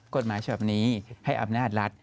กฎหมายฉบับนี้ให้อำนาจรัฐ